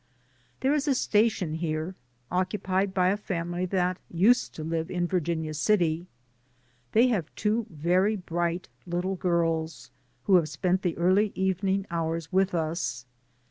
There is a station here, occupied by a fam ily that used to live in Virginia City. They have two very bright little girls, who have spent the early evening hours with us.